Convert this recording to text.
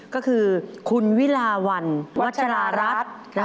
ก็คือคุณวิลาวันวัชรารัฐ